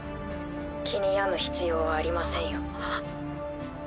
気に病む必要はありませんよ。